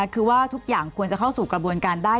คือว่าทุกอย่างควรจะเข้าสู่กระบวนการได้